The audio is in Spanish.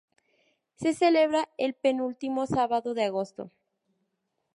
Se celebra el penúltimo sábado de agosto.